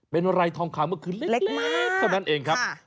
เป็นไรทองคำก็คือเล็กมากเท่านั้นเองครับ